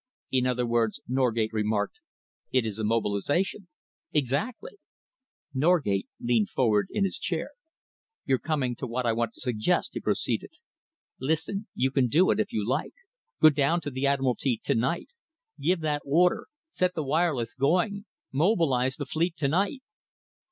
"In other words," Norgate remarked, "it is a mobilisation." "Exactly!" Norgate leaned forward in his chair. "You're coming to what I want to suggest," he proceeded. "Listen. You can do it, if you like. Go down to the Admiralty to night. Give that order. Set the wireless going. Mobilise the fleet to night."